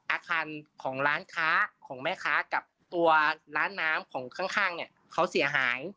อาคารของร้านค้าของแม่ค้ากับตัวร้านน้ำของข้างเนี่ยเขาเสียหาย